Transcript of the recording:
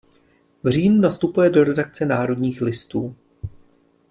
V říjnu nastupuje do redakce Národních listů.